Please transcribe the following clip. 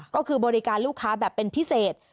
ก็คือบริการลูกค้าแบบเป็นพิเศษ